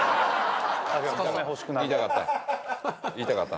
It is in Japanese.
言いたかった。